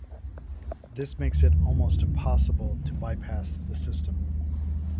This makes it almost impossible to bypass the system.